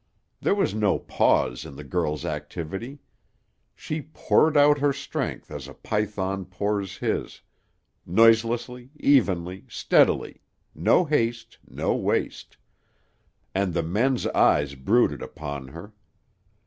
There was no pause in the girl's activity. She poured out her strength as a python pours his, noiselessly, evenly, steadily, no haste, no waste. And the men's eyes brooded upon her.